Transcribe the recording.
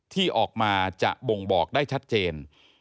ที่ออกมาจะบ่งบอกได้ชัดเจน